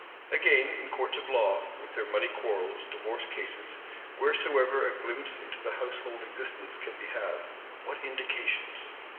Again, in Courts of Law, with their money quarrels, divorce cases, wheresoever a glimpse into the household existence can be had, what indications!